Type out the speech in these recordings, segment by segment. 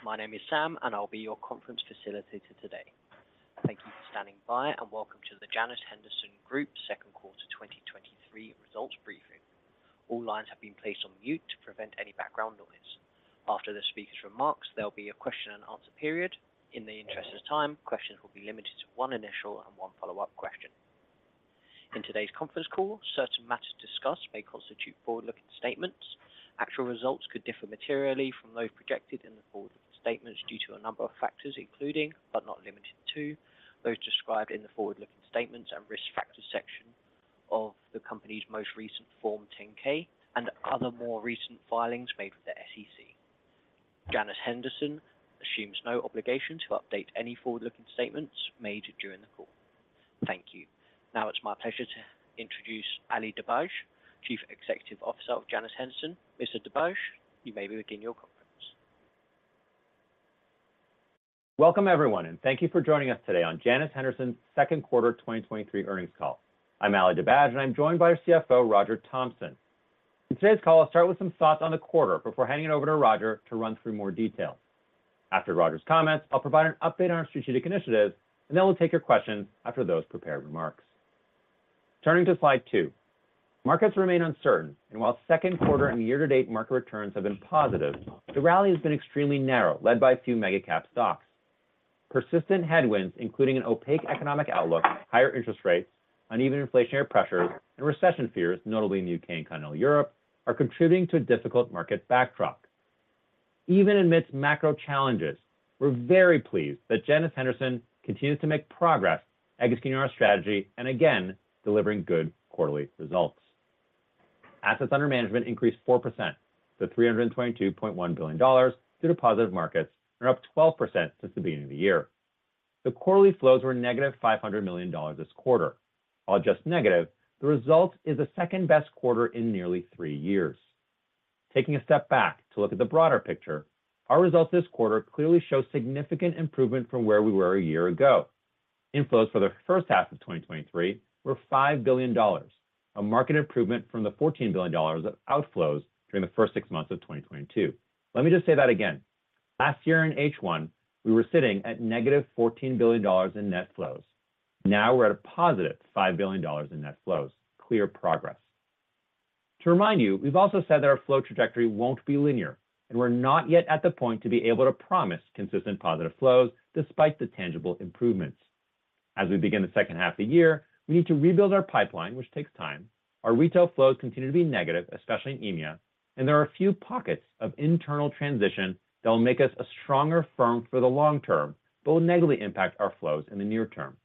Good morning. My name is Sam, and I'll be your conference facilitator today. Thank you for standing by, and welcome to the Janus Henderson Group second quarter 2023 results briefing. All lines have been placed on mute to prevent any background noise. After the speaker's remarks, there will be a question and answer period. In the interest of time, questions will be limited to one initial and one follow-up question. In today's conference call, certain matters discussed may constitute forward-looking statements. Actual results could differ materially from those projected in the forward-looking statements due to a number of factors, including, but not limited to, those described in the forward-looking statements and risk factors section of the company's most recent Form 10-K and other more recent filings made with the SEC. Janus Henderson assumes no obligation to update any forward-looking statements made during the call. Thank you. Now it's my pleasure to introduce Ali Dibadj, Chief Executive Officer of Janus Henderson. Mr. Dibadj, you may begin your conference. Welcome, everyone, and thank you for joining us today on Janus Henderson's second quarter 2023 earnings call. I'm Ali Dibadj, and I'm joined by our CFO, Roger Thompson. In today's call, I'll start with some thoughts on the quarter before handing it over to Roger to run through more details. After Roger's comments, I'll provide an update on our strategic initiatives, and then we'll take your questions after those prepared remarks. Turning to slide two. Markets remain uncertain, and while second quarter and year-to-date market returns have been positive, the rally has been extremely narrow, led by a few mega cap stocks. Persistent headwinds, including an opaque economic outlook, higher interest rates, uneven inflationary pressures, and recession fears, notably in the UK and continental Europe, are contributing to a difficult market backdrop. Even amidst macro challenges, we're very pleased that Janus Henderson continues to make progress executing our strategy and again, delivering good quarterly results. Assets under management increased 4% to $322.1 billion due to positive markets and are up 12% since the beginning of the year. The quarterly flows were negative $500 million this quarter. While just negative, the result is the second-best quarter in nearly three years. Taking a step back to look at the broader picture, our results this quarter clearly show significant improvement from where we were a year ago. Inflows for the first half of 2023 were $5 billion, a market improvement from the $14 billion of outflows during the first six months of 2022. Let me just say that again. Last year in H1, we were sitting at negative $14 billion in net flows. Now, we're at a positive $5 billion in net flows. Clear progress. To remind you, we've also said that our flow trajectory won't be linear, and we're not yet at the point to be able to promise consistent positive flows despite the tangible improvements. As we begin the second half of the year, we need to rebuild our pipeline, which takes time. Our retail flows continue to be negative, especially in EMEA. There are a few pockets of internal transition that will make us a stronger firm for the long term, but will negatively impact our flows in the near term.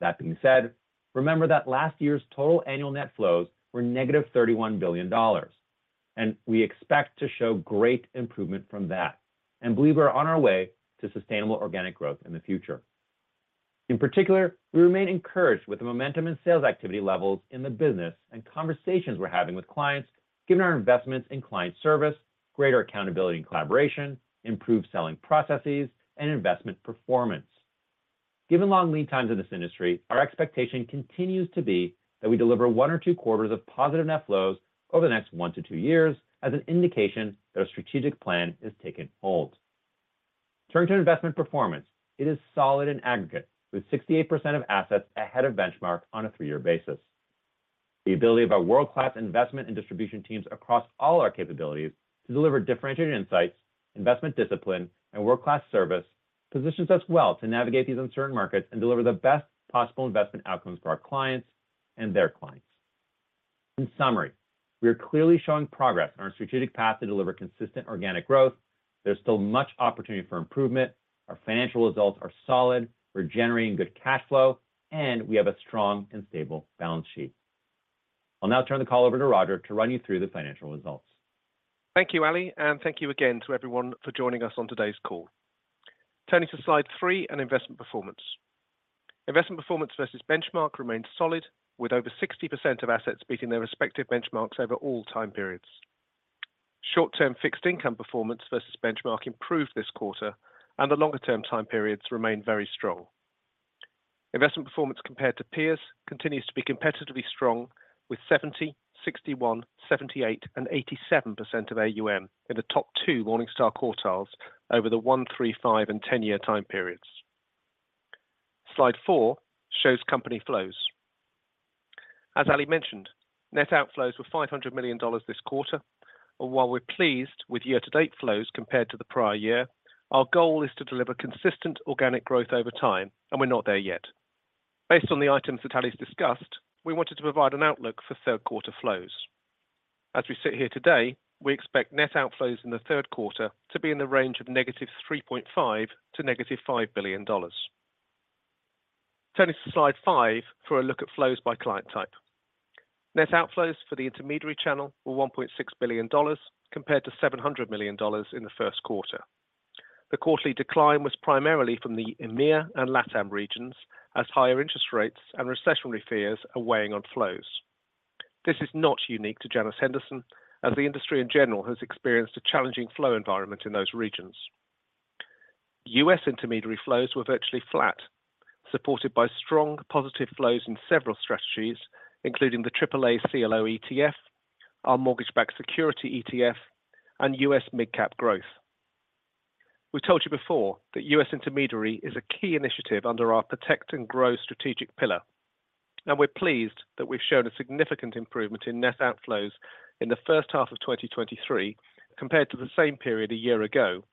That being said, remember that last year's total annual net flows were negative $31 billion, and we expect to show great improvement from that and believe we're on our way to sustainable organic growth in the future. In particular, we remain encouraged with the momentum in sales activity levels in the business and conversations we're having with clients, given our investments in client service, greater accountability and collaboration, improved selling processes, and investment performance. Given long lead times in this industry, our expectation continues to be that we deliver 1 quarter-2 quarters of positive net flows over the next 1 year-2 years as an indication that our strategic plan is taking hold. Turning to investment performance, it is solid in aggregate, with 68% of assets ahead of benchmark on a three-year basis. The ability of our world-class investment and distribution teams across all our capabilities to deliver differentiated insights, investment discipline, and world-class service positions us well to navigate these uncertain markets and deliver the best possible investment outcomes for our clients and their clients. In summary, we are clearly showing progress on our strategic path to deliver consistent organic growth. There is still much opportunity for improvement. Our financial results are solid. We are generating good cash flow, and we have a strong and stable balance sheet. I will now turn the call over to Roger to run you through the financial results. Thank you, Ali. Thank you again to everyone for joining us on today's call. Turning to slide three on investment performance. Investment performance versus benchmark remains solid, with over 60% of assets beating their respective benchmarks over all time periods. Short-term fixed income performance versus benchmark improved this quarter. The longer-term time periods remain very strong. Investment performance compared to peers continues to be competitively strong, with 70%, 61%, 78%, and 87% of AUM in the top two Morningstar quartiles over the one, three, five, and 10-year time periods. Slide four shows company flows. As Ali mentioned, net outflows were $500 million this quarter. While we're pleased with year-to-date flows compared to the prior-year, our goal is to deliver consistent organic growth over time, and we're not there yet. Based on the items that Ali's discussed, we wanted to provide an outlook for third quarter flows. As we sit here today, we expect net outflows in the third quarter to be in the range of -$3.5 billion to -$5 billion. Turning to slide five for a look at flows by client type. Net outflows for the intermediary channel were $1.6 billion, compared to $700 million in the first quarter. The quarterly decline was primarily from the EMEA and LATAM regions, as higher interest rates and recessionary fears are weighing on flows. This is not unique to Janus Henderson, as the industry in general has experienced a challenging flow environment in those regions. U.S. intermediary flows were virtually flat, supported by strong positive flows in several strategies, including the AAA CLO ETF, our Mortgage-Backed Securities ETF, and U.S. mid-cap growth. We've told you before that U.S. intermediary is a key initiative under our protect and grow strategic pillar, and we're pleased that we've shown a significant improvement in net outflows in the first half of 2023 compared to the same period a year ago,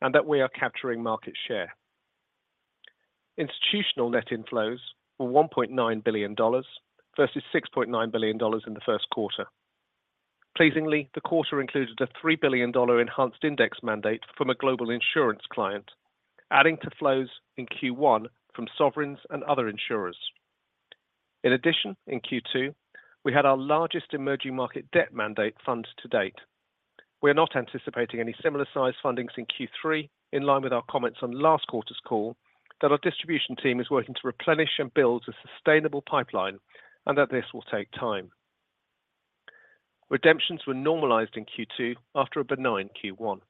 and that we are capturing market share. Institutional net inflows were $1.9 billion versus $6.9 billion in the first quarter. Pleasingly, the quarter included a $3 billion enhanced index mandate from a global insurance client, adding to flows in Q1 from sovereigns and other insurers. In addition, in Q2, we had our largest emerging market debt mandate fund to date. We are not anticipating any similar size fundings in Q3, in line with our comments on last quarter's call, that our distribution team is working to replenish and build a sustainable pipeline and that this will take time. Redemptions were normalized in Q2 after a benign Q1.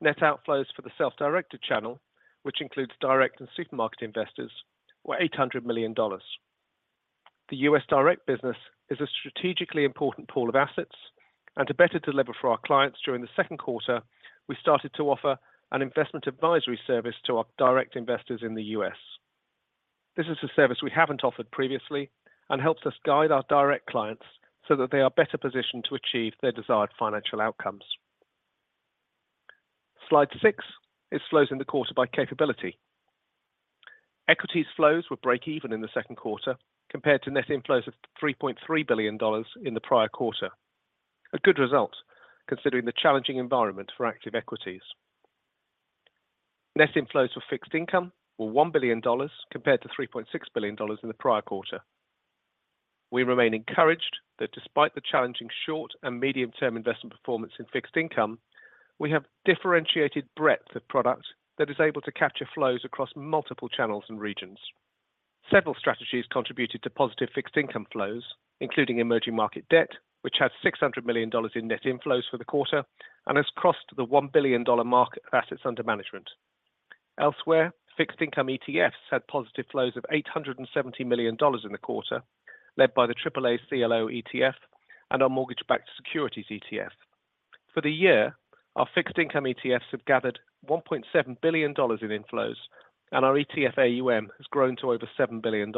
Net outflows for the self-directed channel, which includes direct and supermarket investors, were $800 million. The U.S. direct business is a strategically important pool of assets, and to better deliver for our clients during the second quarter, we started to offer an investment advisory service to our direct investors in the U.S. This is a service we haven't offered previously and helps us guide our direct clients so that they are better positioned to achieve their desired financial outcomes. Slide six is flows in the quarter by capability. Equities flows were break even in the second quarter, compared to net inflows of $3.3 billion in the prior-quarter. A good result, considering the challenging environment for active equities. Net inflows for fixed income were $1 billion, compared to $3.6 billion in the prior-quarter. We remain encouraged that despite the challenging short and medium-term investment performance in fixed income, we have differentiated breadth of product that is able to capture flows across multiple channels and regions. Several strategies contributed to positive fixed income flows, including emerging market debt, which had $600 million in net inflows for the quarter and has crossed the $1 billion mark of assets under management. Elsewhere, fixed income ETFs had positive flows of $870 million in the quarter, led by the AAA CLO ETF and our Mortgage-Backed Securities ETF. For the year, our fixed income ETFs have gathered $1.7 billion in inflows, and our ETF AUM has grown to over $7 billion.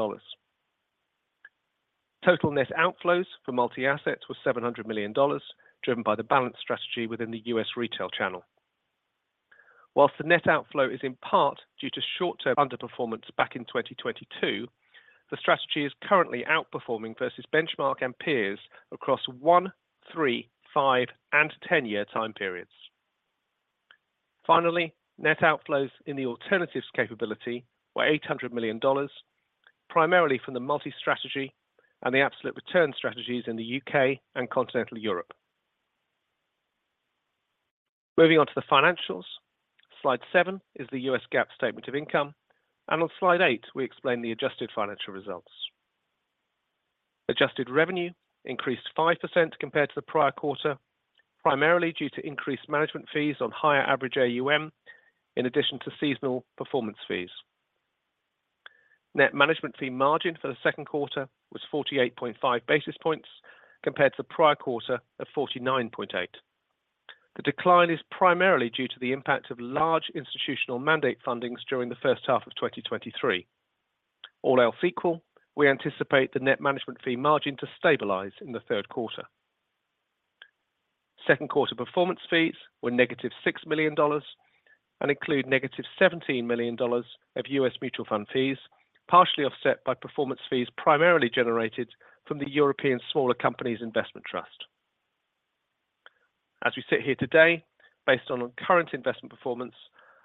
Total net outflows for multi-assets were $700 million, driven by the balance strategy within the U.S. retail channel. Whilst the net outflow is in part due to short-term underperformance back in 2022, the strategy is currently outperforming versus benchmark and peers across 1, 3, 5, and 10-year time periods. Net outflows in the alternatives capability were $800 million, primarily from the multi-strategy and the Absolute Return strategies in the U.K. and continental Europe. Moving on to the financials, slide seven is the U.S. GAAP statement of income. On slide eight, we explain the adjusted financial results. Adjusted revenue increased 5% compared to the prior-quarter, primarily due to increased management fees on higher average AUM, in addition to seasonal performance fees. Net management fee margin for the second quarter was 48.5 basis points compared to the prior-quarter of 49.8. The decline is primarily due to the impact of large institutional mandate fundings during the first half of 2023. All else equal, we anticipate the net management fee margin to stabilize in the third quarter. Second quarter performance fees were -$6 million and include -$17 million of U.S. mutual fund fees, partially offset by performance fees primarily generated from the European Smaller Companies Investment Trust. As we sit here today, based on our current investment performance,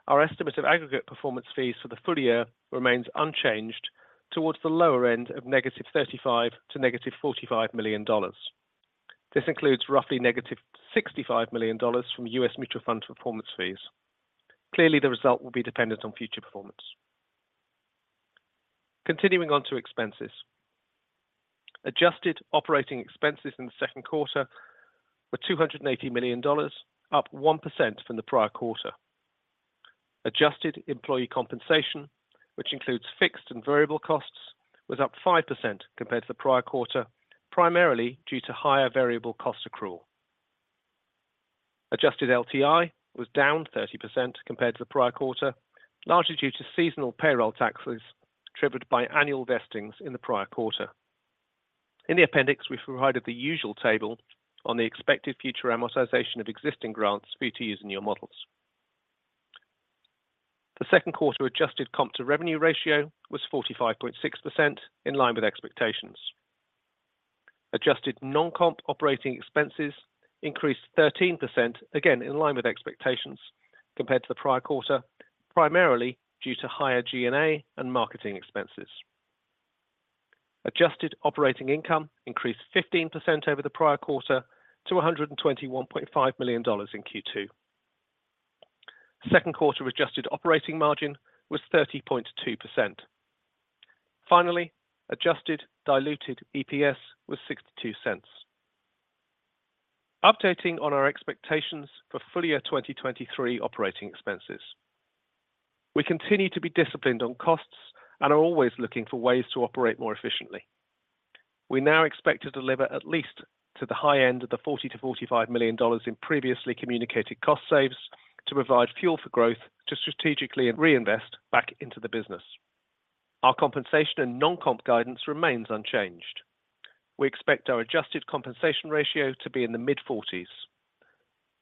our estimate of aggregate performance fees for the full year remains unchanged towards the lower end of -$35 million to -$45 million. This includes roughly -$65 million from U.S. mutual fund performance fees. Clearly, the result will be dependent on future performance. Continuing on to expenses. Adjusted operating expenses in the second quarter were $280 million, up 1% from the prior-quarter. Adjusted employee compensation, which includes fixed and variable costs, was up 5% compared to the prior-quarter, primarily due to higher variable cost accrual. Adjusted LTI was down 30% compared to the prior-quarter, largely due to seasonal payroll taxes triggered by annual vestings in the prior-quarter. In the appendix, we've provided the usual table on the expected future amortization of existing grants for you to use in your models. The second quarter adjusted comp to revenue ratio was 45.6%, in line with expectations. Adjusted non-comp operating expenses increased 13%, again, in line with expectations compared to the prior-quarter, primarily due to higher G&A and marketing expenses. Adjusted operating income increased 15% over the prior-quarter to $121.5 million in Q2. Second quarter adjusted operating margin was 30.2%. Finally, adjusted diluted EPS was $0.62. Updating on our expectations for full-year 2023 operating expenses. We continue to be disciplined on costs and are always looking for ways to operate more efficiently. We now expect to deliver at least to the high end of the $40 million-$45 million in previously communicated cost saves to provide fuel for growth to strategically and reinvest back into the business. Our compensation and non-comp guidance remains unchanged. We expect our adjusted compensation ratio to be in the mid-40s.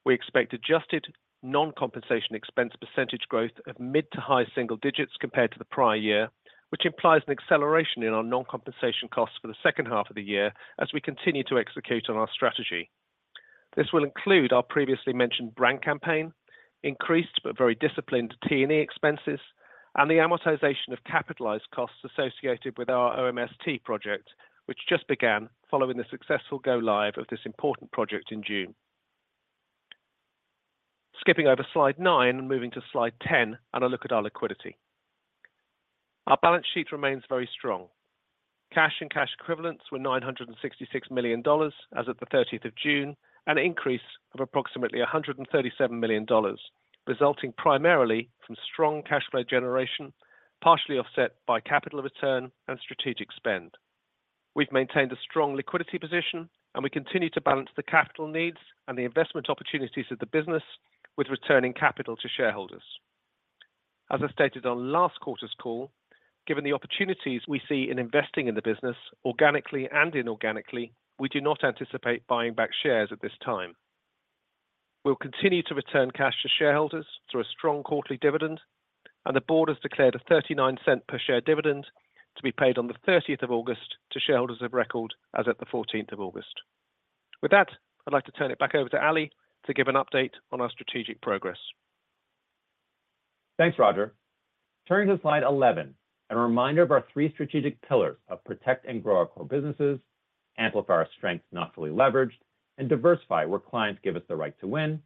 We expect adjusted non-compensation expense percentage growth of mid to high single-digits compared to the prior-year, which implies an acceleration in our non-compensation costs for the second half of the year as we continue to execute on our strategy. This will include our previously mentioned brand campaign, increased but very disciplined T&E expenses, and the amortization of capitalized costs associated with our OMST project, which just began following the successful go live of this important project in June. Skipping over slide nine and moving to slide 10, a look at our liquidity. Our balance sheet remains very strong. Cash and cash equivalents were $966 million as of the 30th of June, an increase of approximately $137 million, resulting primarily from strong cash flow generation, partially offset by capital return and strategic spend. We've maintained a strong liquidity position, and we continue to balance the capital needs and the investment opportunities of the business with returning capital to shareholders. As I stated on last quarter's call, given the opportunities we see in investing in the business organically and inorganically, we do not anticipate buying back shares at this time. We'll continue to return cash to shareholders through a strong quarterly dividend, and the board has declared a $0.39 per share dividend to be paid on the 30th of August to shareholders of record as at the 14th of August. With that, I'd like to turn it back over to Ali to give an update on our strategic progress. Thanks, Roger. Turning to slide 11, a reminder of our three strategic pillars of protect and grow our core businesses, amplify our strengths not fully leveraged, and diversify where clients give us the right to win.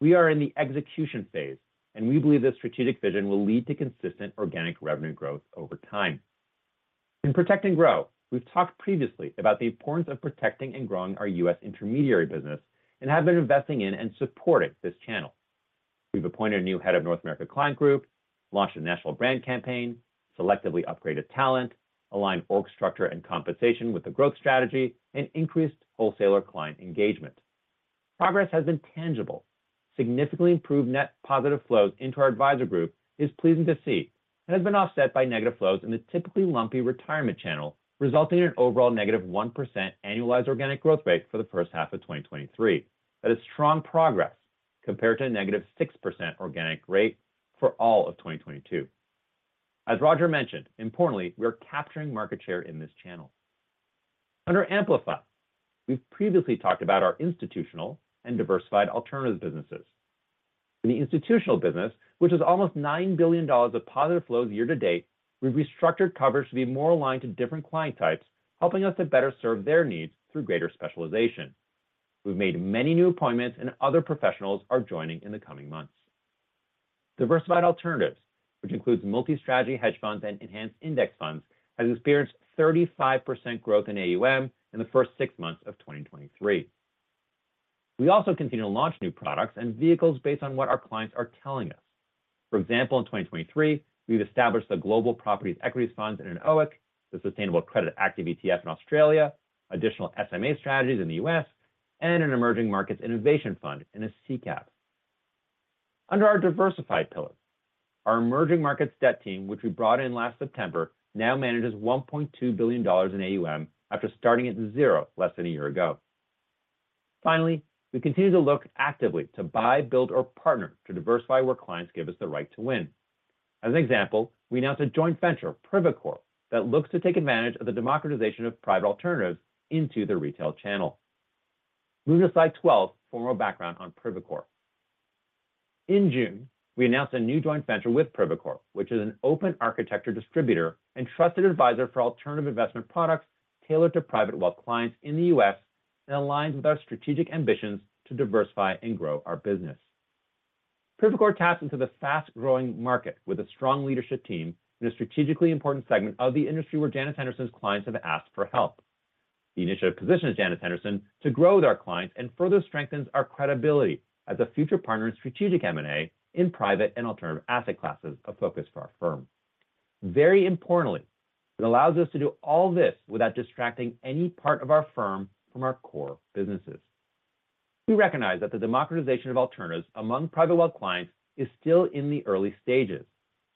We are in the execution phase. We believe this strategic vision will lead to consistent organic revenue growth over time. In protect and grow, we've talked previously about the importance of protecting and growing our U.S. intermediary business and have been investing in and supported this channel. We've appointed a new head of North America client group, launched a national brand campaign, selectively upgraded talent, aligned org structure and compensation with the growth strategy, and increased wholesaler client engagement. Progress has been tangible. Significantly improved net positive flows into our advisor group is pleasing to see and has been offset by negative flows in the typically lumpy retirement channel, resulting in an overall negative 1% annualized organic growth rate for the first half of 2023. That is strong progress compared to a negative 6% organic rate for all of 2022. As Roger mentioned, importantly, we are capturing market share in this channel. Under Amplify, we've previously talked about our institutional and diversified alternatives businesses. In the institutional business, which is almost $9 billion of positive flows year-to-date, we've restructured coverage to be more aligned to different client types, helping us to better serve their needs through greater specialization. We've made many new appointments, and other professionals are joining in the coming months. Diversified Alternatives, which includes multi-strategy hedge funds and enhanced index funds, has experienced 35% growth in AUM in the first six months of 2023. We also continue to launch new products and vehicles based on what our clients are telling us. For example, in 2023, we've established the Global Property Equities Fund in an OEIC, the Sustainable Credit Active ETF in Australia, additional SMA strategies in the US, and an Emerging Markets Innovation Fund in a CCAP. Under our diversified pillar, our emerging markets debt team, which we brought in last September, now manages $1.2 billion in AUM after starting at 0 less than a year ago. Finally, we continue to look actively to buy, build, or partner to diversify where clients give us the right to win. As an example, we announced a joint venture, Privacore, that looks to take advantage of the democratization of private alternatives into the retail channel. Moving to slide 12 for more background on Privacore. In June, we announced a new joint venture with Privacore, which is an open architecture distributor and trusted advisor for alternative investment products tailored to private wealth clients in the U.S. and aligns with our strategic ambitions to diversify and grow our business. Privacore taps into the fast-growing market with a strong leadership team in a strategically important segment of the industry where Janus Henderson's clients have asked for help. The initiative positions Janus Henderson to grow with our clients and further strengthens our credibility as a future partner in strategic M&A in private and alternative asset classes of focus for our firm. Very importantly, it allows us to do all this without distracting any part of our firm from our core businesses. We recognize that the democratization of alternatives among private wealth clients is still in the early stages,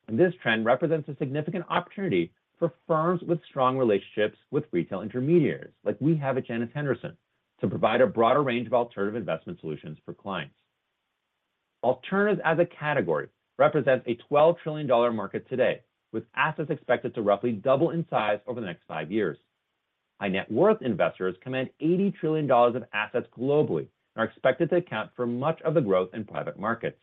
this trend represents a significant opportunity for firms with strong relationships with retail intermediaries, like we have at Janus Henderson, to provide a broader range of alternative investment solutions for clients. Alternatives as a category represents a $12 trillion market today, with assets expected to roughly double in size over the next five years. High net worth investors command $80 trillion of assets globally are expected to account for much of the growth in private markets.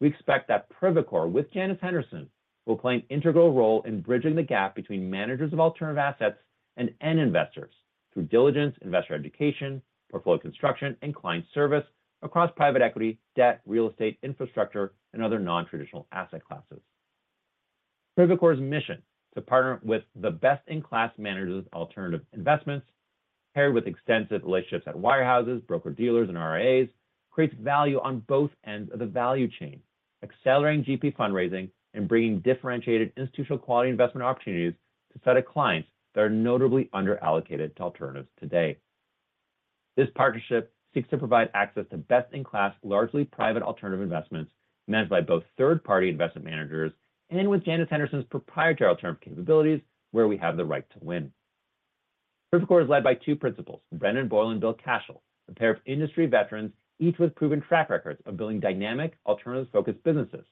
We expect that Privacore, with Janus Henderson, will play an integral role in bridging the gap between managers of alternative assets and end investors through diligence, investor education, portfolio construction, and client service across private equity, debt, real estate, infrastructure, and other non-traditional asset classes.... Privacore's mission: to partner with the best-in-class managers of alternative investments, paired with extensive relationships at wirehouses, broker-dealers, and RIAs, creates value on both ends of the value chain, accelerating GP fundraising and bringing differentiated institutional-quality investment opportunities to set of clients that are notably underallocated to alternatives today. This partnership seeks to provide access to best-in-class, largely private alternative investments, managed by both third-party investment managers and with Janus Henderson's proprietary alternative capabilities, where we have the right to win. Privacore is led by two principals, Brendan Boyle and Bill Cashell, a pair of industry veterans, each with proven track records of building dynamic, alternatives-focused businesses.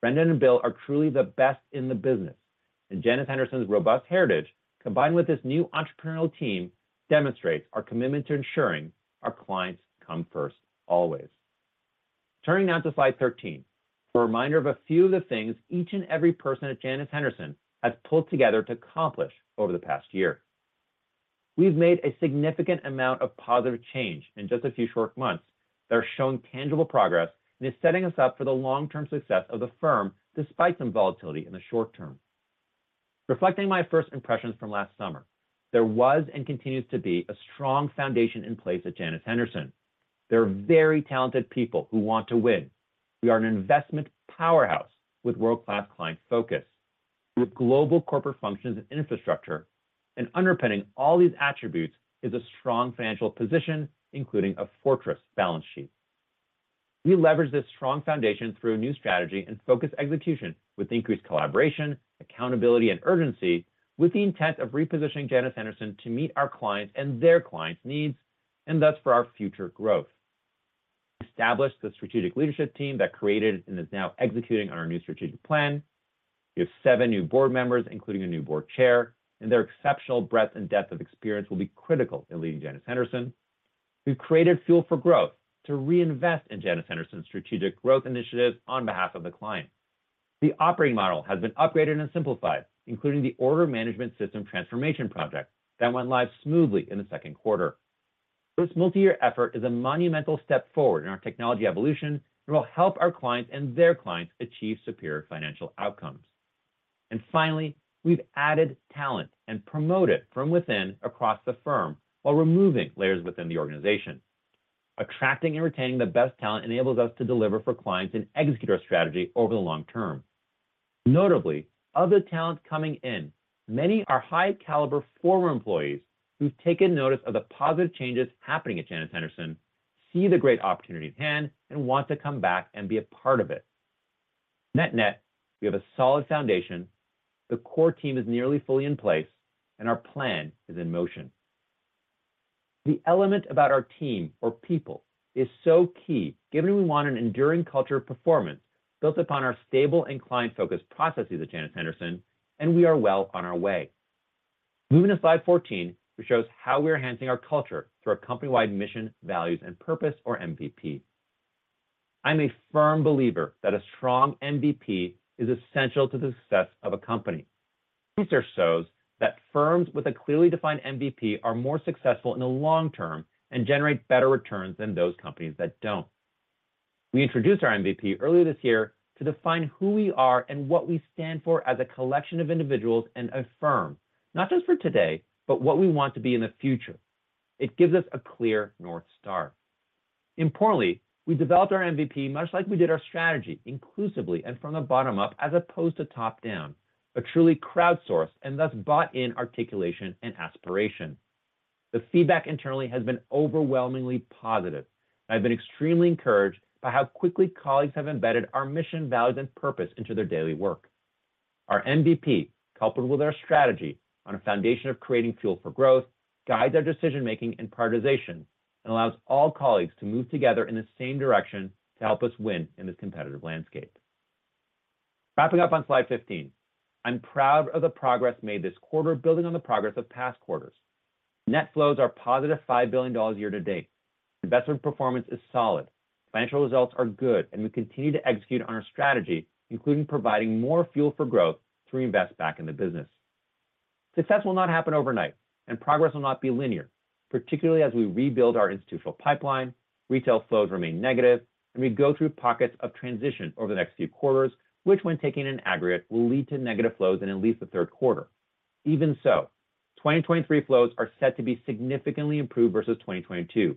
Brendan and Bill are truly the best in the business, and Janus Henderson's robust heritage, combined with this new entrepreneurial team, demonstrates our commitment to ensuring our clients come first, always. Turning now to slide 13, for a reminder of a few of the things each and every person at Janus Henderson has pulled together to accomplish over the past year. We've made a significant amount of positive change in just a few short months that are showing tangible progress and is setting us up for the long-term success of the firm, despite some volatility in the short term. Reflecting my first impressions from last summer, there was and continues to be a strong foundation in place at Janus Henderson. There are very talented people who want to win. We are an investment powerhouse with world-class client focus, with global corporate functions and infrastructure. Underpinning all these attributes is a strong financial position, including a fortress balance sheet. We leverage this strong foundation through a new strategy and focused execution with increased collaboration, accountability, and urgency, with the intent of repositioning Janus Henderson to meet our clients' and their clients' needs, and thus for our future growth. We established the strategic leadership team that created and is now executing on our new strategic plan. We have seven new board members, including a new board chair, and their exceptional breadth and depth of experience will be critical in leading Janus Henderson. We've created fuel for growth to reinvest in Janus Henderson's strategic growth initiatives on behalf of the client. The operating model has been upgraded and simplified, including the Order Management System Transformation project that went live smoothly in the second quarter. This multi-year effort is a monumental step forward in our technology evolution and will help our clients and their clients achieve superior financial outcomes. Finally, we've added talent and promoted from within across the firm while removing layers within the organization. Attracting and retaining the best talent enables us to deliver for clients and execute our strategy over the long term. Notably, of the talent coming in, many are high-caliber former employees who've taken notice of the positive changes happening at Janus Henderson, see the great opportunity at hand, and want to come back and be a part of it. Net-net, we have a solid foundation, the core team is nearly fully in place, and our plan is in motion. The element about our team or people is so key, given we want an enduring culture of performance built upon our stable and client-focused processes at Janus Henderson. We are well on our way. Moving to slide 14, which shows how we are enhancing our culture through our company-wide Mission, Values, and Purpose, or MVP. I'm a firm believer that a strong MVP is essential to the success of a company. Research shows that firms with a clearly defined MVP are more successful in the long term and generate better returns than those companies that don't. We introduced our MVP earlier this year to define who we are and what we stand for as a collection of individuals and a firm, not just for today, but what we want to be in the future. It gives us a clear North Star. Importantly, we developed our MVP, much like we did our strategy, inclusively and from the bottom up, as opposed to top-down, a truly crowdsourced and thus bought-in articulation and aspiration. The feedback internally has been overwhelmingly positive. I've been extremely encouraged by how quickly colleagues have embedded our mission, values, and purpose into their daily work. Our MVP, coupled with our strategy on a foundation of creating fuel for growth, guides our decision-making and prioritization and allows all colleagues to move together in the same direction to help us win in this competitive landscape. Wrapping up on slide 15, I'm proud of the progress made this quarter, building on the progress of past quarters. Net flows are positive $5 billion year-to-date. Investment performance is solid, financial results are good, and we continue to execute on our strategy, including providing more fuel for growth to reinvest back in the business. Success will not happen overnight, and progress will not be linear, particularly as we rebuild our institutional pipeline, retail flows remain negative, and we go through pockets of transition over the next few quarters, which, when taken in aggregate, will lead to negative flows in at least the third quarter. Even so, 2023 flows are set to be significantly improved versus 2022.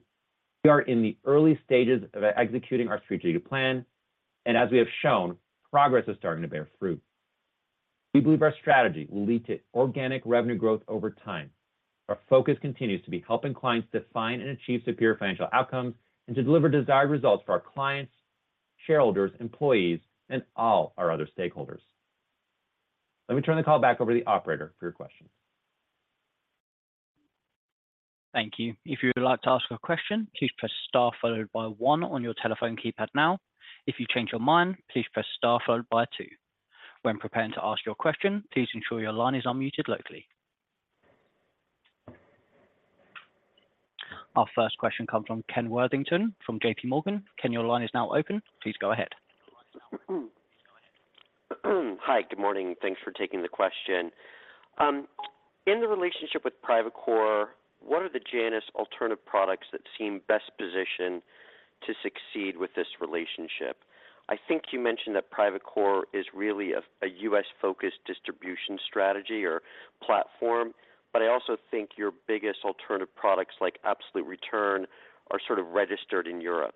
We are in the early stages of executing our strategic plan, and as we have shown, progress is starting to bear fruit. We believe our strategy will lead to organic revenue growth over time. Our focus continues to be helping clients define and achieve superior financial outcomes and to deliver desired results for our clients, shareholders, employees, and all our other stakeholders. Let me turn the call back over to the operator for your questions. Thank you. If you would like to ask a question, please press star followed by 1 on your telephone keypad now. If you change your mind, please press star followed by 2. When preparing to ask your question, please ensure your line is unmuted locally. Our first question comes from Kenneth Worthington from JP Morgan. Ken, your line is now open. Please go ahead. Hi, good morning. Thanks for taking the question. In the relationship with Privacore, what are the Janus alternative products that seem best positioned to succeed with this relationship? I think you mentioned that Privacore is really a, a US-focused distribution strategy or platform, but I also think your biggest alternative products, like Absolute Return, are sort of registered in Europe.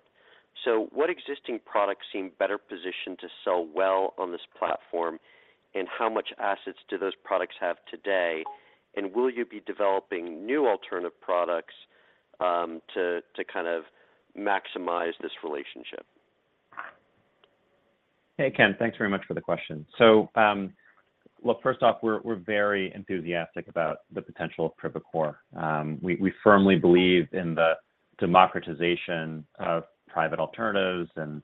What existing products seem better positioned to sell well on this platform, and how much assets do those products have today? Will you be developing new alternative products, to, to kind of maximize this relationship? Hey, Ken, thanks very much for the question. Well, first off, we're, we're very enthusiastic about the potential of Privacore. We, we firmly believe in the democratization of private alternatives and,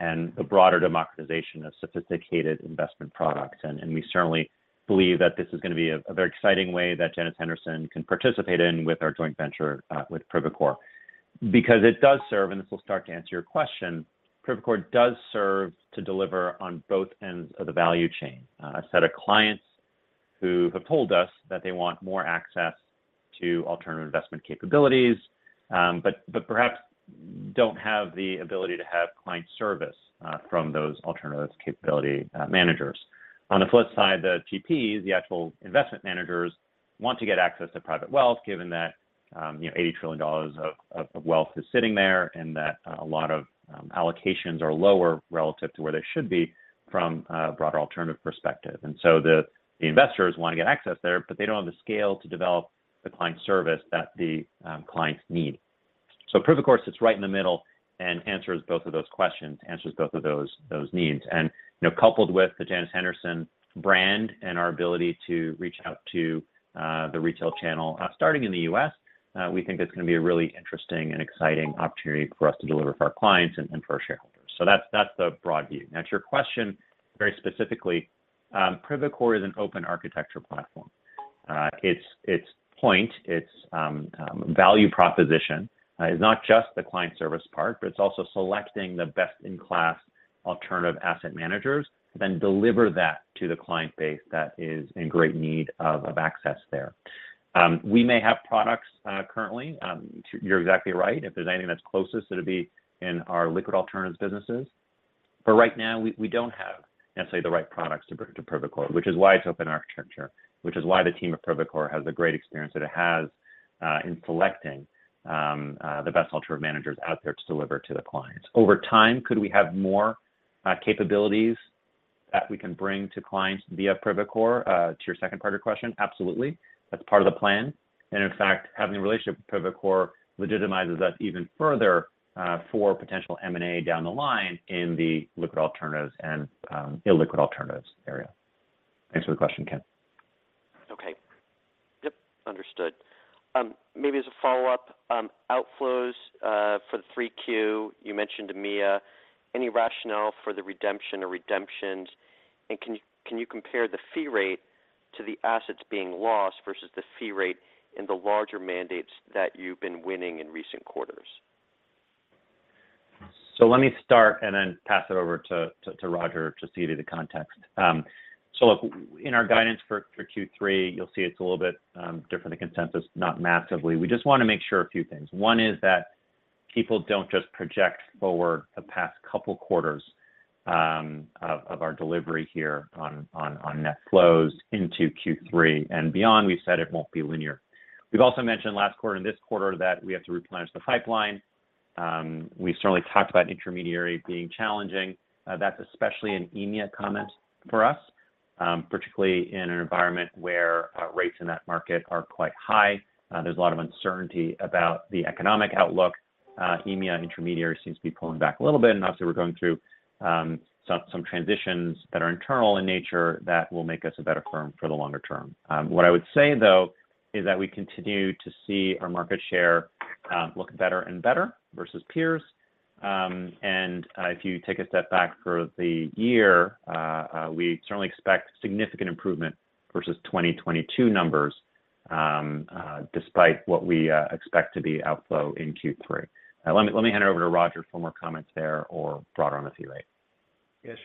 and a broader democratization of sophisticated investment products. We certainly believe that this is gonna be a, a very exciting way that Janus Henderson can participate in with our joint venture with Privacore. It does serve, and this will start to answer your question, Privacore does serve to deliver on both ends of the value chain. A set of clients who have told us that they want more access to alternative investment capabilities, but, but perhaps don't have the ability to have client service from those alternative capability managers. The TPs, the actual investment managers, want to get access to private wealth, given that, you know, $80 trillion of wealth is sitting there, and that a lot of allocations are lower relative to where they should be from a broader alternative perspective. The investors wanna get access there, but they don't have the scale to develop the client service that the clients need. Privacore sits right in the middle and answers both of those questions, answers both of those needs. You know, coupled with the Janus Henderson brand and our ability to reach out to the retail channel, starting in the US, we think it's gonna be a really interesting and exciting opportunity for us to deliver for our clients and for our shareholders. That's, that's the broad view. Now, to your question, very specifically, Privacore is an open architecture platform. Its, its point, its value proposition, is not just the client service part, but it's also selecting the best-in-class alternative asset managers, then deliver that to the client base that is in great need of, of access there. We may have products, currently. You're exactly right. If there's anything that's closest, it'll be in our liquid alternatives businesses. Right now, we, we don't have, necessarily, the right products to bring to Privacore, which is why it's open architecture, which is why the team of Privacore has the great experience that it has, in selecting, the best alternative managers out there to deliver to the clients. Over time, could we have more capabilities that we can bring to clients via Privacore? To your second part of your question, absolutely. That's part of the plan, and in fact, having a relationship with Privacore legitimizes us even further, for potential M&A down the line in the liquid alternatives and illiquid alternatives area. Thanks for the question, Ken. Okay. Yep, understood. Maybe as a follow-up, outflows for the 3Q, you mentioned EMEA. Any rationale for the redemption or redemptions? Can you, can you compare the fee rate to the assets being lost versus the fee rate in the larger mandates that you've been winning in recent quarters? Let me start, and then pass it over to Roger to see the context. Look, in our guidance for Q3, you'll see it's a little bit different than consensus, not massively. We just wanna make sure a few things. One is that people don't just project forward the past couple quarters of our delivery here on net flows into Q3 and beyond. We've said it won't be linear. We've also mentioned last quarter and this quarter that we have to replenish the pipeline. We've certainly talked about intermediary being challenging. That's especially an EMEA comment for us, particularly in an environment where rates in that market are quite high. There's a lot of uncertainty about the economic outlook. EMEA intermediary seems to be pulling back a little bit, also, we're going through some, some transitions that are internal in nature that will make us a better firm for the longer term. What I would say, though, is that we continue to see our market share look better and better versus peers. If you take a step back for the year, we certainly expect significant improvement versus 2022 numbers despite what we expect to be outflow in Q3. Let me, let me hand it over to Roger for more comments there or broader on the fee rate.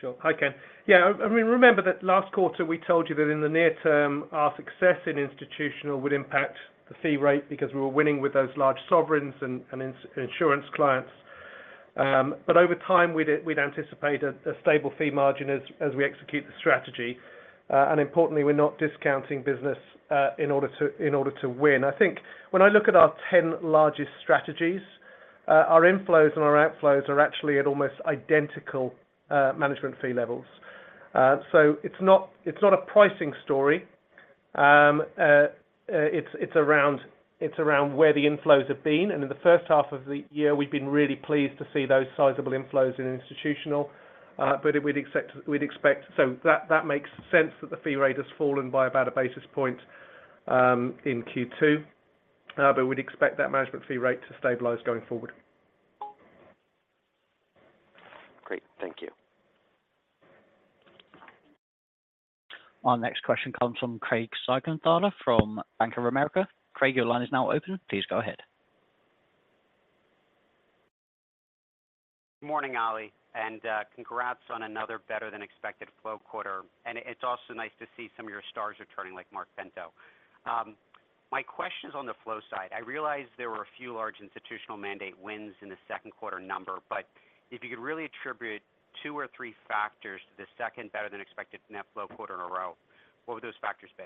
Sure. Hi, Ken. I mean, remember that last quarter, we told you that in the near term, our success in institutional would impact the fee rate because we were winning with those large sovereigns and insurance clients. Over time, we'd anticipate a stable fee margin as we execute the strategy. Importantly, we're not discounting business in order to win. I think when I look at our 10 largest strategies, our inflows and our outflows are actually at almost identical management fee levels. It's not a pricing story. It's around where the inflows have been, in the first half of the year, we've been really pleased to see those sizable inflows in institutional. We'd expect... That, that makes sense that the fee rate has fallen by about a basis point in Q2, but we'd expect that management fee rate to stabilize going forward. Great. Thank you. Our next question comes from Craig Siegenthaler from Bank of America. Craig, your line is now open. Please go ahead. Good morning, Ali, and congrats on another better than expected flow quarter. It, it's also nice to see some of your stars returning, like Marc Pinto. My question is on the flow side. I realize there were a few large institutional mandate wins in the second quarter number, but if you could really attribute two or three factors to the second better than expected net flow quarter in a row, what would those factors be?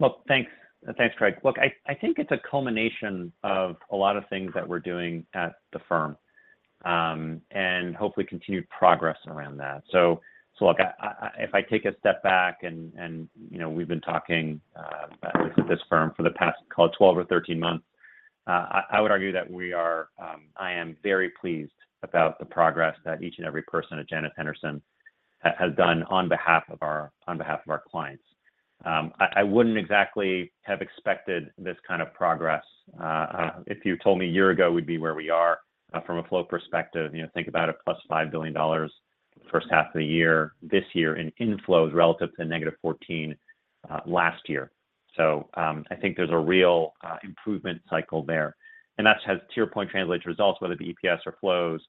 Well, thanks. Thanks, Craig. Look, I, I think it's a culmination of a lot of things that we're doing at the firm, and hopefully continued progress around that. So look, I, I, if I take a step back and, and, you know, we've been talking about this at this firm for the past, call it 12 or 13 months, I, I would argue that we are, I am very pleased about the progress that each and every person at Janus Henderson has done on behalf of our, on behalf of our clients. I, I wouldn't exactly have expected this kind of progress. If you told me a year ago, we'd be where we are from a flow perspective, you know, think about a $5 billion first half of the year this year in inflows relative to -$14 billion last year. I think there's a real improvement cycle there, and that's has their point translate results, whether it be EPS or flows.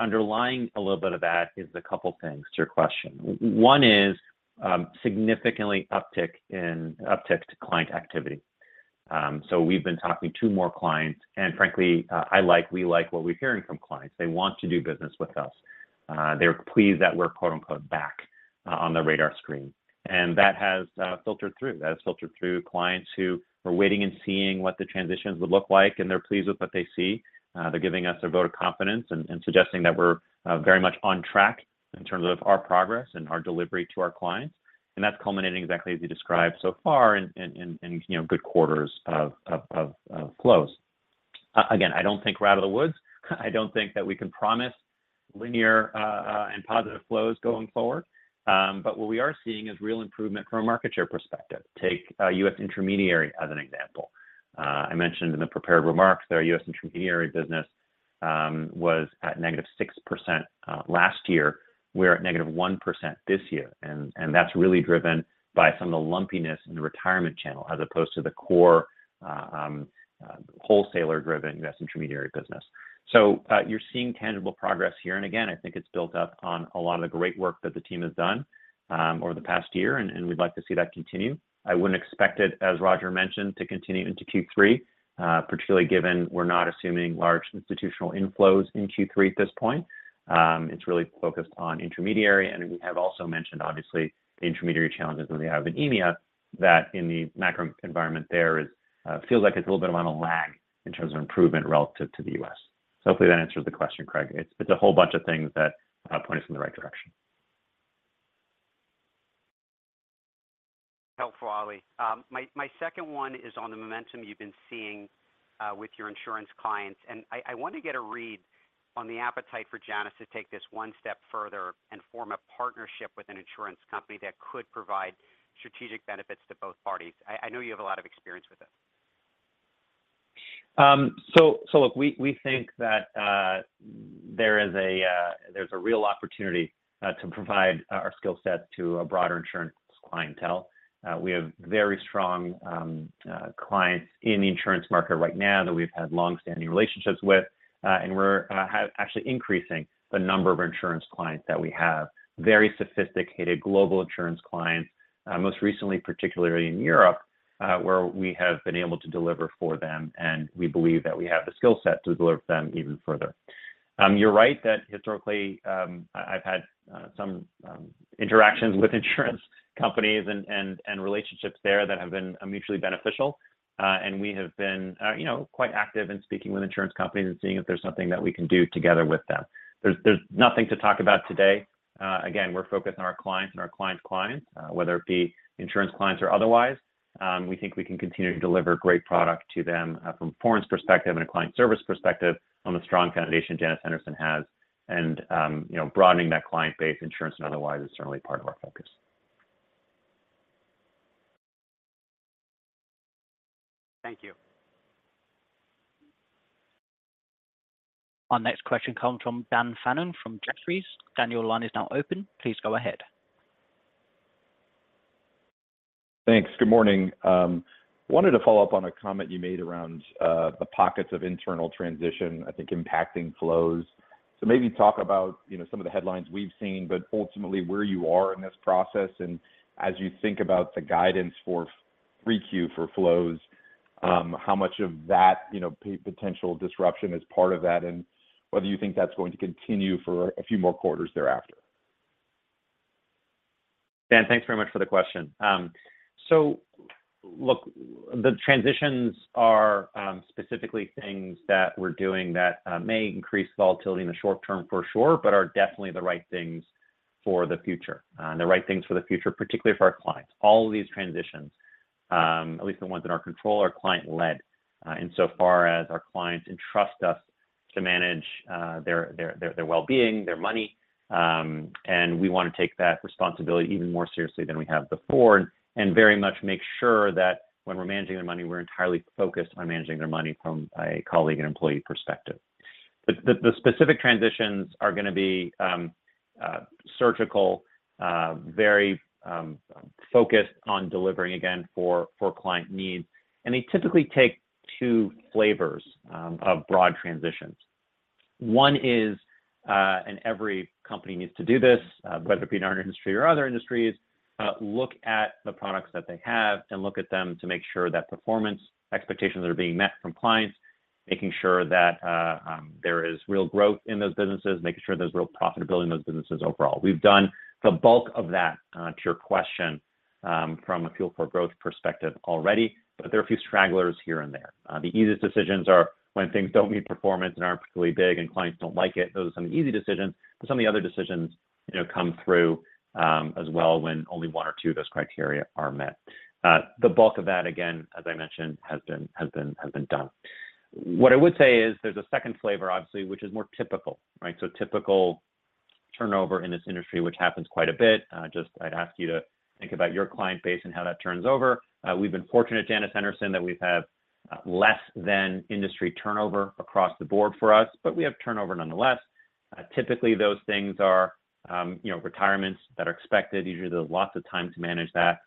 Underlying a little bit of that is a couple things to your question. One is significantly uptick in uptick to client activity. We've been talking to more clients, and frankly, I like, we like what we're hearing from clients. They want to do business with us. They're pleased that we're, quote-unquote, "back" on the radar screen, and that has filtered through. That has filtered through clients who were waiting and seeing what the transitions would look like, and they're pleased with what they see. They're giving us their vote of confidence and suggesting that we're very much on track in terms of our progress and our delivery to our clients. That's culminating exactly as you described so far in, you know, good quarters of flows. Again, I don't think we're out of the woods. I don't think that we can promise linear and positive flows going forward, but what we are seeing is real improvement from a market share perspective. Take US intermediary as an example. I mentioned in the prepared remarks, their US intermediary business was at negative 6% last year. We're at -1% this year, and that's really driven by some of the lumpiness in the retirement channel, as opposed to the core, wholesaler-driven US intermediary business. You're seeing tangible progress here. Again, I think it's built up on a lot of the great work that the team has done over the past year, and we'd like to see that continue. I wouldn't expect it, as Roger mentioned, to continue into Q3, particularly given we're not assuming large institutional inflows in Q3 at this point. It's really focused on intermediary, and we have also mentioned, obviously, the intermediary challenges that they have in EMEA, that in the macro environment there is feels like it's a little bit of on a lag in terms of improvement relative to the US. Hopefully that answers the question, Craig. It's a whole bunch of things that point us in the right direction. Helpful, Ali. My, my second one is on the momentum you've been seeing, with your insurance clients, and I, I want to get a read on the appetite for Janus to take this one step further and form a partnership with an insurance company that could provide strategic benefits to both parties. I, I know you have a lot of experience with this. Look, we, we think that there is a real opportunity to provide our skill set to a broader insurance clientele. We have very strong clients in the insurance market right now that we've had long-standing relationships with, we're actually increasing the number of insurance clients that we have. Very sophisticated global insurance clients, most recently, particularly in Europe, where we have been able to deliver for them, we believe that we have the skill set to deliver them even further. You're right that historically, I, I've had some interactions with insurance companies and, and, and relationships there that have been mutually beneficial. We have been, you know, quite active in speaking with insurance companies and seeing if there's something that we can do together with them. There's, there's nothing to talk about today. Again, we're focused on our clients and our clients' clients, whether it be insurance clients or otherwise. We think we can continue to deliver great product to them, from a performance perspective and a client service perspective, on the strong foundation Janus Henderson has. You know, broadening that client base, insurance and otherwise, is certainly part of our focus. Thank you. Our next question comes from Daniel Fannon, from Jefferies. Dan, your line is now open. Please go ahead. Thanks. Good morning. Wanted to follow up on a comment you made around the pockets of internal transition, I think, impacting flows. Maybe talk about, you know, some of the headlines we've seen, but ultimately, where you are in this process, and as you think about the guidance for 3Q for flows, how much of that, you know, potential disruption is part of that, and whether you think that's going to continue for a few more quarters thereafter? Dan, thanks very much for the question. Look, the transitions are specifically things that we're doing that may increase volatility in the short term for sure, but are definitely the right things for the future, the right things for the future, particularly for our clients. All of these transitions, at least the ones in our control, are client-led, in so far as our clients entrust us to manage their, their, their wellbeing, their money, we want to take that responsibility even more seriously than we have before. Very much make sure that when we're managing their money, we're entirely focused on managing their money from a colleague and employee perspective. The, the, the specific transitions are gonna be surgical, very focused on delivering again for, for client needs. They typically take two flavors of broad transitions. One is, and every company needs to do this, whether it be in our industry or other industries, look at the products that they have and look at them to make sure that performance expectations are being met from clients, making sure that there is real growth in those businesses, making sure there's real profitability in those businesses overall. We've done the bulk of that, to your question, from a fuel for growth perspective already. There are a few stragglers here and there. The easiest decisions are when things don't meet performance and aren't particularly big, and clients don't like it. Those are some easy decisions. Some of the other decisions, you know, come through as well when only one or two of those criteria are met. The bulk of that, again, as I mentioned, has been, has been, has been done. What I would say is, there's a second flavor, obviously, which is more typical, right? Typical turnover in this industry, which happens quite a bit. Just I'd ask you to think about your client base and how that turns over. We've been fortunate at Janus Henderson, that we've had less than industry turnover across the board for us, but we have turnover nonetheless. Typically, those things are, you know, retirements that are expected. Usually, there's lots of time to manage that.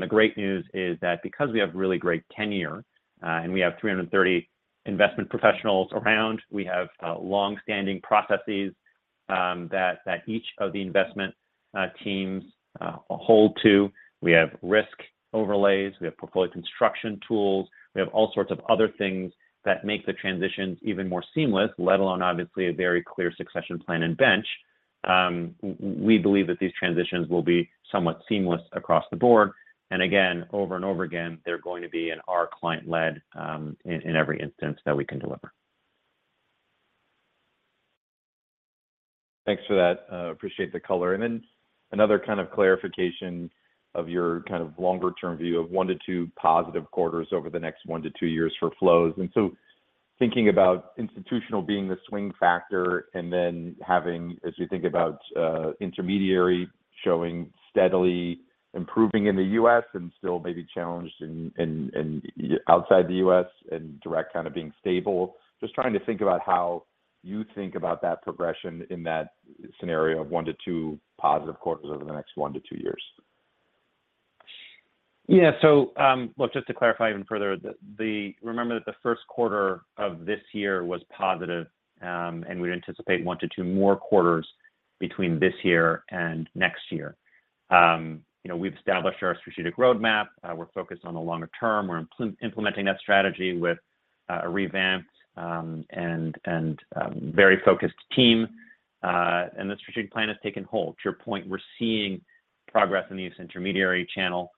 The great news is that because we have really great tenure, and we have 330 investment professionals around, we have long-standing processes that, that each of the investment teams hold to. We have risk overlays. We have portfolio construction tools. We have all sorts of other things that make the transitions even more seamless, let alone, obviously, a very clear succession plan and bench. We believe that these transitions will be somewhat seamless across the board, and again, over and over again, they're going to be and are client-led, in every instance that we can deliver. Thanks for that. Appreciate the color. Another kind of clarification of your kind of longer-term view of one to two positive quarters over the next one to two years for flows. Thinking about institutional being the swing factor and then having, as we think about, intermediary showing steadily improving in the US and still may be challenged in, in, in outside the US and direct kind of being stable. Just trying to think about how you think about that progression in that scenario of one to two positive quarters over the next one to two years. Look, just to clarify even further, Remember that the first quarter of this year was positive, and we'd anticipate one or two more quarters between this year and next year. You know, we've established our strategic roadmap. We're focused on the longer term. We're implementing that strategy with a revamped, and, and very focused team. The strategic plan has taken hold. To your point, we're seeing progress in the U.S. intermediary channel.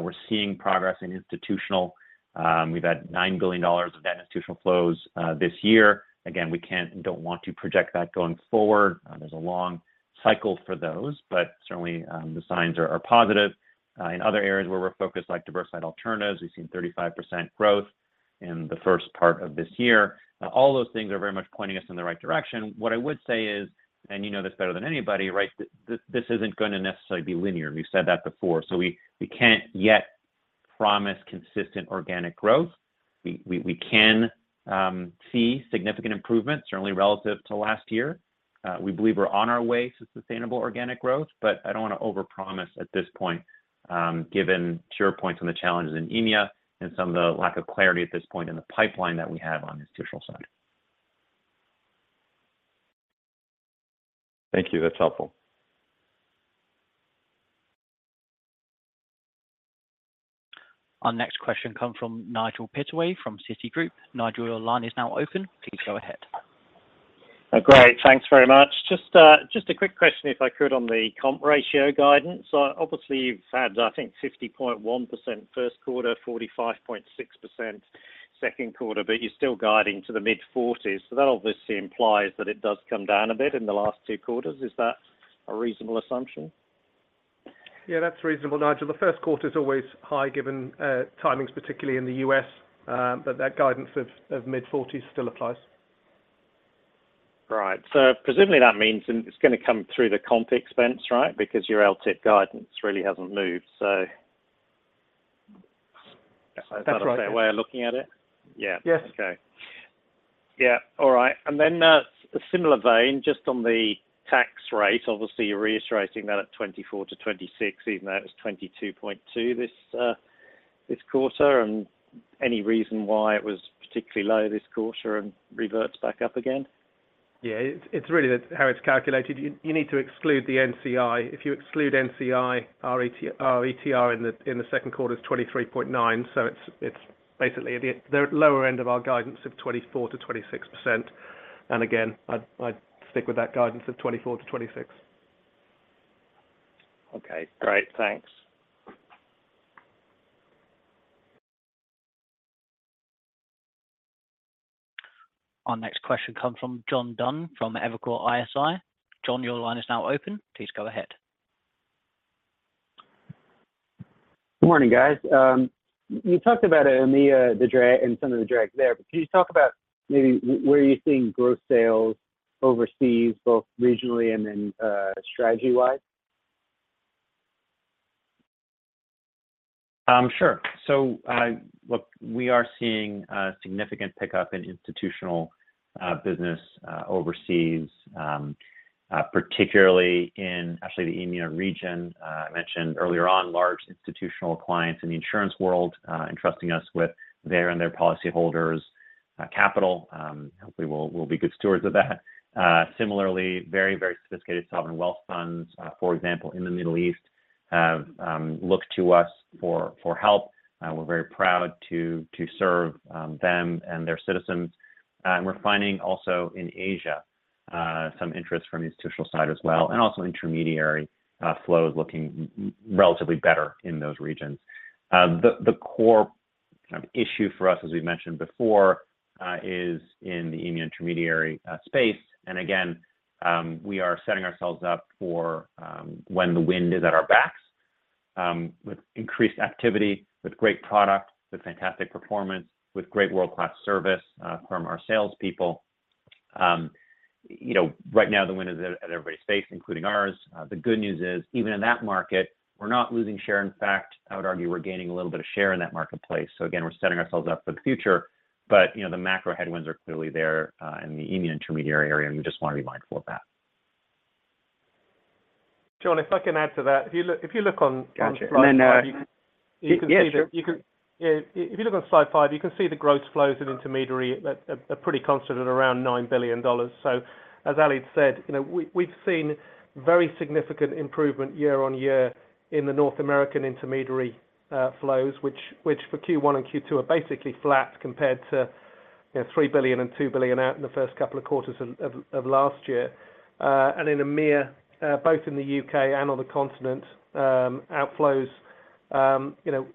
We're seeing progress in institutional. We've had $9 billion of that institutional flows this year. We can't and don't want to project that going forward. There's a long cycle for those, but certainly, the signs are, are positive. In other areas where we're focused, like diverse side alternatives, we've seen 35% growth in the first part of this year. All those things are very much pointing us in the right direction. What I would say is, you know this better than anybody, right, this, this isn't gonna necessarily be linear. We've said that before, we, we can't yet promise consistent organic growth. We, we, we can see significant improvement, certainly relative to last year. We believe we're on our way to sustainable organic growth, I don't want to overpromise at this point, given your points on the challenges in EMEA and some of the lack of clarity at this point in the pipeline that we have on the institutional side. Thank you. That's helpful. Our next question comes from Nigel Pittaway from Citigroup. Nigel, your line is now open. Please go ahead. Great. Thanks very much. Just a quick question, if I could, on the comp ratio guidance. Obviously, you've had, I think, 50.1% first quarter, 45.6% second quarter, you're still guiding to the mid-40s. That obviously implies that it does come down a bit in the last two quarters. Is that a reasonable assumption? Yeah, that's reasonable, Nigel. The first quarter is always high given timings, particularly in the US, but that guidance of mid-forties still applies. Right. Presumably, that means and it's gonna come through the comp expense, right? Because your LTIP guidance really hasn't moved... That's right. Is that a fair way of looking at it? Yeah. Yes. Okay. Yeah. All right, and then, a similar vein, just on the tax rate. Obviously, you're reiterating that at 24%-26%, even though it was 22.2% this quarter. Any reason why it was particularly low this quarter and reverts back up again? Yeah, it's, it's really how it's calculated. You, you need to exclude the NCI. If you exclude NCI, our ETR in the second quarter is 23.9. It's basically the lower end of our guidance of 24%-26%. Again, I'd stick with that guidance of 24%-26%. Okay, great. Thanks. Our next question comes from John Dunn from Evercore ISI. John, your line is now open. Please go ahead. Good morning, guys. You talked about EMEA, the drag, and some of the drag there, but can you talk about maybe where are you seeing growth sales overseas, both regionally and then, strategy-wise? Sure. Look, we are seeing a significant pickup in institutional business overseas, particularly in actually the EMEA region. I mentioned earlier on large institutional clients in the insurance world, entrusting us with their and their policyholders' capital. Hopefully, we'll be good stewards of that. Similarly, very, very sophisticated sovereign wealth funds, for example, in the Middle East, have looked to us for help. We're very proud to serve them and their citizens. We're finding also in Asia, some interest from the institutional side as well, and also intermediary flows looking relatively better in those regions. The core kind of issue for us, as we've mentioned before, is in the EMEA intermediary space. Again, we are setting ourselves up for when the wind is at our backs, with increased activity, with great product, with fantastic performance, with great world-class service from our salespeople. You know, right now, the wind is at, at everybody's face, including ours. The good news is, even in that market, we're not losing share. In fact, I would argue we're gaining a little bit of share in that marketplace. Again, we're setting ourselves up for the future, but, you know, the macro headwinds are clearly there in the EMEA intermediary area, and we just want to be mindful of that. John, if I can add to that. If you look. Gotcha, then. You can see. Yes. You can. If you look on slide five, you can see the gross flows in intermediary that are pretty constant at around $9 billion. As Ali said, you know, we, we've seen very significant improvement year-on-year in the North American intermediary flows, which, which for Q1 and Q2 are basically flat compared to, you know, $3 billion and $2 billion out in the first couple of quarters of last year. And in EMEA, both in the U.K. and on the continent, outflows, you know,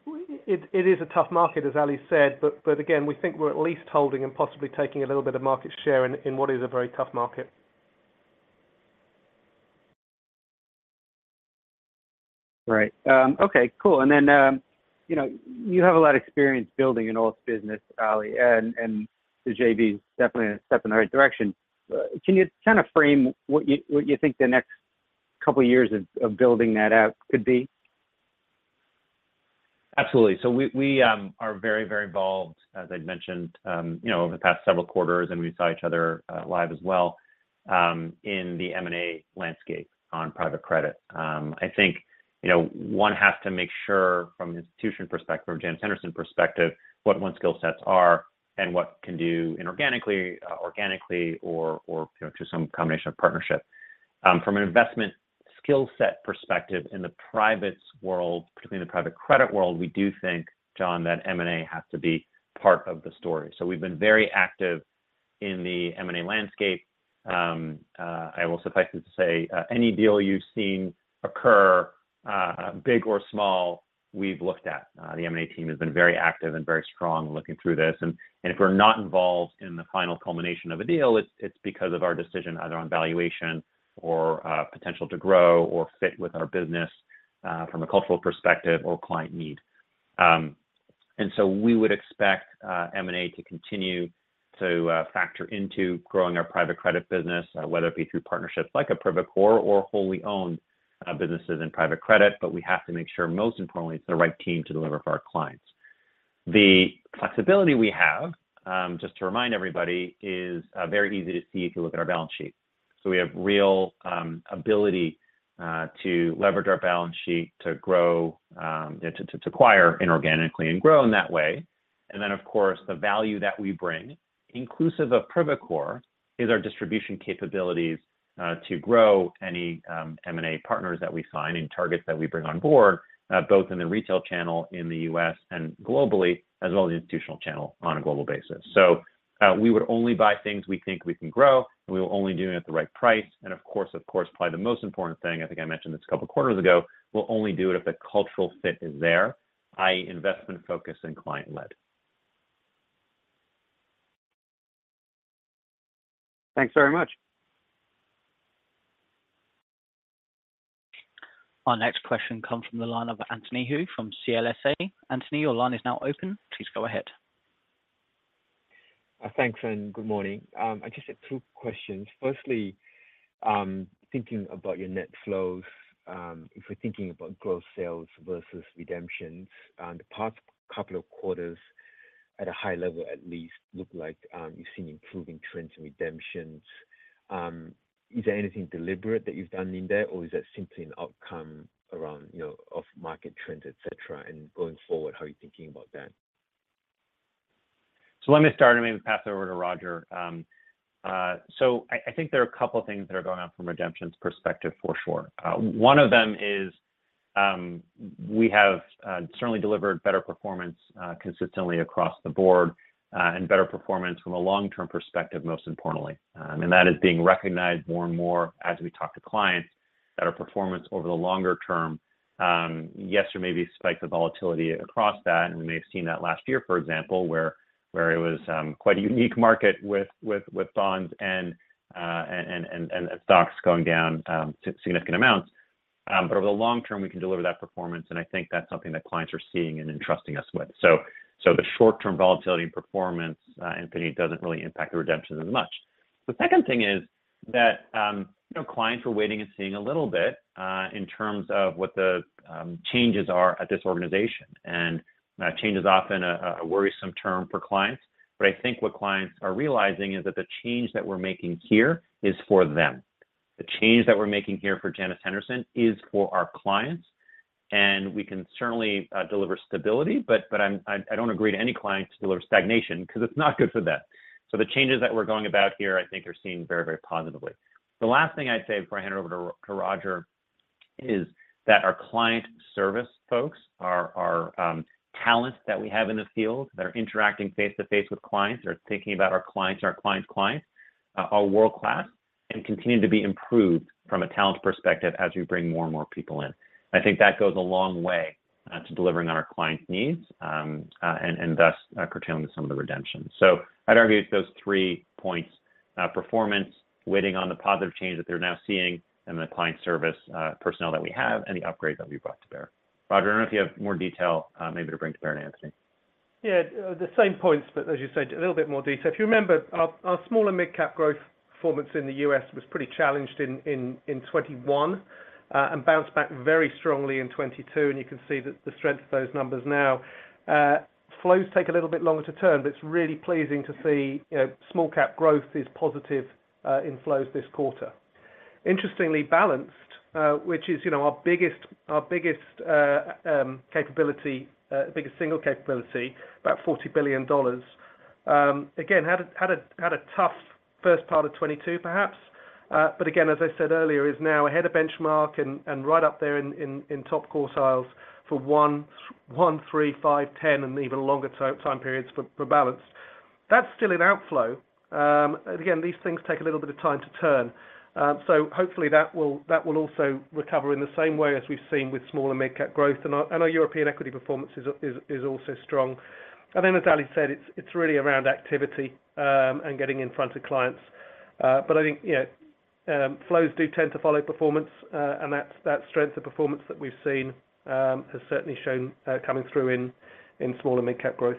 it, it is a tough market, as Ali said, but, but again, we think we're at least holding and possibly taking a little bit of market share in, in what is a very tough market. Right. Okay, cool. You know, you have a lot of experience building an wealth business, Ali, and the JV is definitely a step in the right direction. Can you kind of frame what you, what you think the next couple of years of building that out could be? Absolutely. We, we, are very, very involved, as I'd mentioned, you know, over the past several quarters, and we saw each other live as well, in the M&A landscape on private credit. I think, you know, one has to make sure from an institution perspective, from Janus Henderson perspective, what one's skill sets are and what can do inorganically, organically, or, you know, through some combination of partnership. From an investment skill set perspective in the privates world, particularly in the private credit world, we do think, John, that M&A has to be part of the story. We've been very active in the M&A landscape. I will suffice it to say, any deal you've seen occur, big or small, we've looked at. The M&A team has been very active and very strong looking through this. and if we're not involved in the final culmination of a deal, it's, it's because of our decision either on valuation or potential to grow or fit with our business from a cultural perspective or client need. And so we would expect M&A to continue to factor into growing our private credit business whether it be through partnerships like a Privacore or wholly owned businesses in private credit. But we have to make sure, most importantly, it's the right team to deliver for our clients. The flexibility we have, just to remind everybody, is very easy to see if you look at our balance sheet. We have real ability to leverage our balance sheet, to grow, to, to acquire inorganically and grow in that way. Then, of course, the value that we bring, inclusive of Privacore, is our distribution capabilities, to grow any M&A partners that we sign and targets that we bring on board, both in the retail channel in the US and globally, as well as the institutional channel on a global basis. We would only buy things we think we can grow, and we will only do it at the right price. Of course, of course, probably the most important thing, I think I mentioned this two quarters ago, we'll only do it if the cultural fit is there, high investment focus and client-led. Thanks very much. Our next question comes from the line of Anthony Chu from CLSA. Anthony, your line is now open. Please go ahead. Thanks, and good morning. I just have 2 questions. Firstly, thinking about your net flows, if we're thinking about growth sales versus redemptions, the past couple of quarters, at a high level, at least, look like, you've seen improving trends in redemptions. Is there anything deliberate that you've done in there, or is that simply an outcome around, you know, of market trends, et cetera? Going forward, how are you thinking about that? Let me start and maybe pass it over to Roger. I think there are a couple of things that are going on from redemptions perspective for sure. One of them is, we have certainly delivered better performance consistently across the board and better performance from a long-term perspective, most importantly. That is being recognized more and more as we talk to clients that our performance over the longer term, yes, there may be a spike of volatility across that, and we may have seen that last year, for example, where, where it was quite a unique market with, with, with bonds and, and, and, and stocks going down to significant amounts. Over the long term, we can deliver that performance, and I think that's something that clients are seeing and entrusting us with. The short-term volatility and performance, Anthony, doesn't really impact the redemption as much. The second thing is that, you know, clients were waiting and seeing a little bit in terms of what the changes are at this organization. Change is often a, a worrisome term for clients. I think what clients are realizing is that the change that we're making here is for them. The change that we're making here for Janus Henderson is for our clients, and we can certainly deliver stability, but, but I'm, I, I don't agree to any clients to deliver stagnation 'cause it's not good for them. The changes that we're going about here, I think, are seen very, very positively. The last thing I'd say before I hand over to Roger, is that our client service folks, our talent that we have in the field, that are interacting face to face with clients, are thinking about our clients, our clients' clients, are world-class and continue to be improved from a talent perspective as we bring more and more people in. I think that goes a long way to delivering on our clients' needs, and thus, curtailing some of the redemption. I'd argue it's those three points: performance, waiting on the positive change that they're now seeing, and the client service personnel that we have, and the upgrade that we've brought to bear. Roger, I don't know if you have more detail, maybe to bring to bear on Anthony. Yeah, the same points, but as you said, a little bit more detail. If you remember, our, our small and mid-cap growth performance in the US was pretty challenged in 2021, and bounced back very strongly in 2022, and you can see the strength of those numbers now. Flows take a little bit longer to turn, but it's really pleasing to see, you know, small-cap growth is positive in flows this quarter. Interestingly, balanced, which is, you know, our biggest, our biggest capability, biggest single capability, about $40 billion, again, had a, had a, had a tough first part of 2022 perhaps. Again, as I said earlier, is now ahead of benchmark and right up there in top quartiles for 1, 1, 3, 5, 10, and even longer time periods for balance. That's still an outflow. Again, these things take a little bit of time to turn. Hopefully that will also recover in the same way as we've seen with small and mid-cap growth. Our European equity performance is also strong. As Ali said, it's really around activity and getting in front of clients. I think, you know, flows do tend to follow performance, and that's, that strength of performance that we've seen has certainly shown coming through in small and mid-cap growth.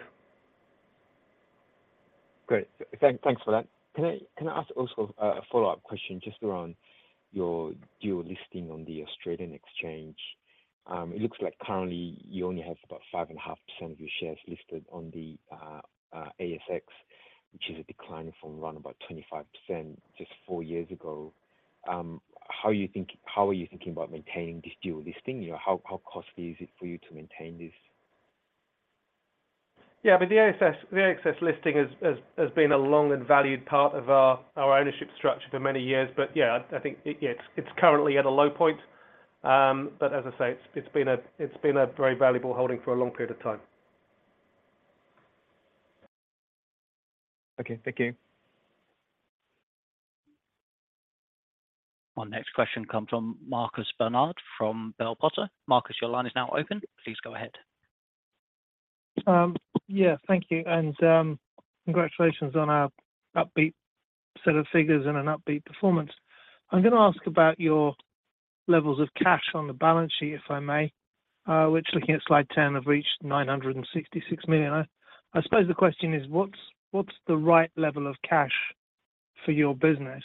Great. Thank, thanks for that. Can I, can I ask also a follow-up question just around your dual listing on the Australian Exchange? It looks like currently you only have about 5.5% of your shares listed on the ASX, which is a decline from around about 25% just four years ago. How are you thinking about maintaining this dual listing? You know, how, how costly is it for you to maintain this? Yeah, the ASX, the ASX listing has, has, has been a long and valued part of our, our ownership structure for many years. Yeah, I think, yeah, it's, it's currently at a low point. As I say, it's, it's been a, it's been a very valuable holding for a long period of time. Okay. Thank you. Our next question comes from Marcus Barnard from Bell Potter. Marcus, your line is now open. Please go ahead. Yeah, thank you. Congratulations on an upbeat set of figures and an upbeat performance. I'm gonna ask about your levels of cash on the balance sheet, if I may, which, looking at slide 10, have reached $966 million. I, I suppose the question is: What's, what's the right level of cash for your business?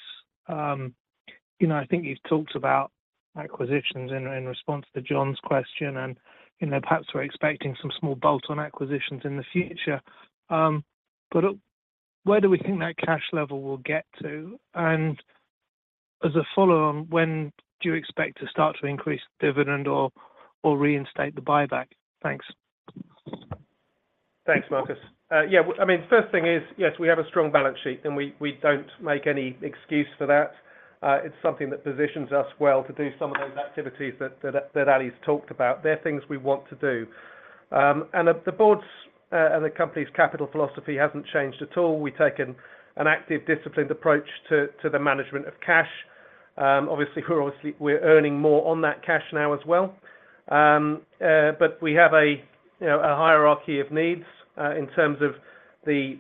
You know, I think you've talked about acquisitions in, in response to John's question, you know, perhaps we're expecting some small bolt-on acquisitions in the future. Where do we think that cash level will get to? As a follow-on, when do you expect to start to increase dividend or, or reinstate the buyback? Thanks. Thanks, Marcus. Yeah, well, I mean, first thing is, yes, we have a strong balance sheet, and we, we don't make any excuse for that. It's something that positions us well to do some of those activities that, that, that Ali's talked about. They're things we want to do. The, the board's, and the company's capital philosophy hasn't changed at all. We've taken an active, disciplined approach to, to the management of cash. Obviously, we're obviously, we're earning more on that cash now as well. We have a, you know, a hierarchy of needs, in terms of the,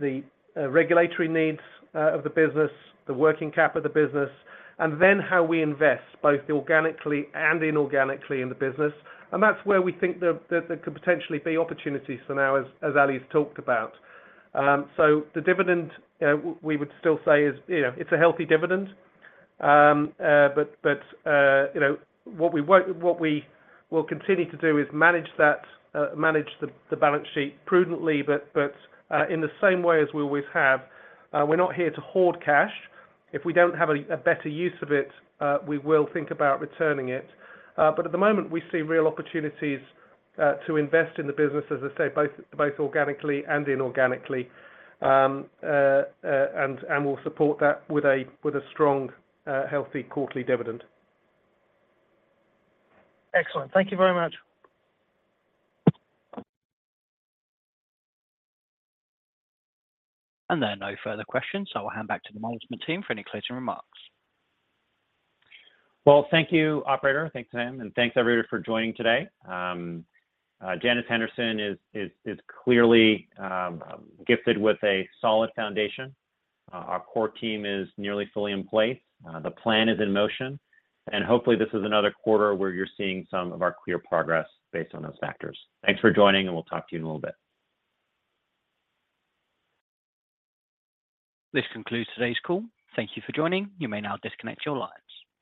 the, regulatory needs, of the business, the working cap of the business, and then how we invest, both organically and inorganically in the business. That's where we think there, there, there could potentially be opportunities for now, as, as Ali's talked about. The dividend, we would still say is, you know, it's a healthy dividend. You know, what we will continue to do is manage that, manage the, the balance sheet prudently, but, but, in the same way as we always have. We're not here to hoard cash. If we don't have a, a better use of it, we will think about returning it. At the moment, we see real opportunities, to invest in the business, as I say, both, both organically and inorganically. And, and we'll support that with a, with a strong, healthy quarterly dividend. Excellent. Thank you very much. There are no further questions. I'll hand back to the management team for any closing remarks. Well, thank you, operator. Thanks, ma'am, and thanks, everybody, for joining today. Janus Henderson is, is, is clearly gifted with a solid foundation. Our core team is nearly fully in place. The plan is in motion, and hopefully, this is another quarter where you're seeing some of our clear progress based on those factors. Thanks for joining, and we'll talk to you in a little bit. This concludes today's call. Thank you for joining. You may now disconnect your lines.